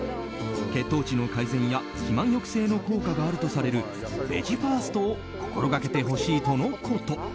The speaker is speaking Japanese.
血糖値の改善や肥満抑制の効果があるとされるベジファーストを心掛けてほしいとのこと。